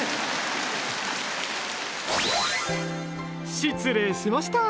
失礼しました！